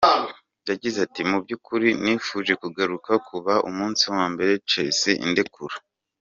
Yagize ati “Mu by’ukuri nifuje kugaruka kuva umunsi wa mbere Chelsea indekura.